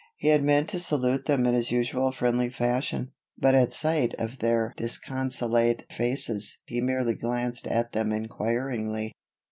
He had meant to salute them in his usual friendly fashion, but at sight of their disconsolate faces he merely glanced at them inquiringly.